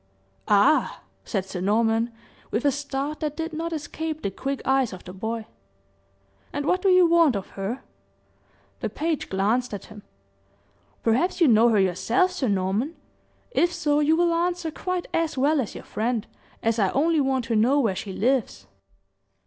"Ah!" said Sir Norman, with a start that did not escape the quick eyes of the boy. "And what do you want of her?" The page glanced at him. "Perhaps you know her yourself, sir Norman? If so, you will answer quite as well as your friend, as I only want to know where she lives."